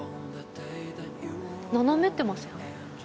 斜めってますよね